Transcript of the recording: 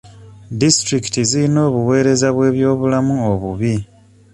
Disitulikiti ziyina obuweereza bw'ebyobulamu obubi.